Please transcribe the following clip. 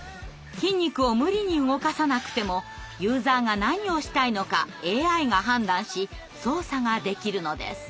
筋肉を無理に動かさなくてもユーザーが何をしたいのかＡＩが判断し操作ができるのです。